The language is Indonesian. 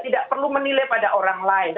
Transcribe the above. tidak perlu menilai pada orang lain